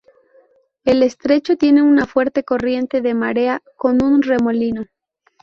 El estrecho tiene una fuerte corriente de marea, con un remolino.